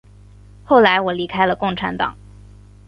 后来我离开了共产党。